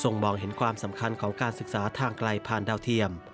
มองเห็นความสำคัญของการศึกษาทางไกลผ่านดาวเทียม